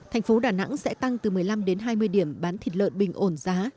thành phố đà nẵng sẽ tăng từ một mươi năm đến hai mươi điểm bán thịt lợn bình ổn giá